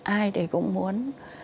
ai thì cũng muốn